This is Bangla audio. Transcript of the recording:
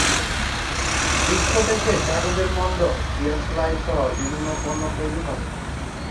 বৃক্ষ থেকে কাগজের মন্ড, দিয়াশলাইসহ বিভিন্ন পণ্য তৈরি হয়।